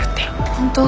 本当？